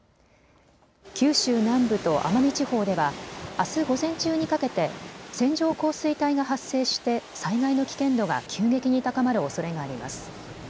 九州南部と奄美地方ではあす午前中にかけて線状降水帯が発生して災害の危険度が急激に高まるおそれがあります。